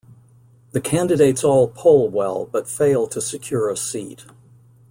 The candidates all poll well but fail to secure a seat.